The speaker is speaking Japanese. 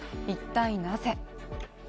一体なぜ。